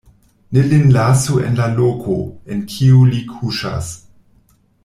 Ne lin lasu en la loko, en kiu li kuŝas.